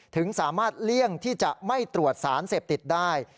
ถึงสามารถเลี่ยงที่จะไม่ตรวจสารเสพติดได้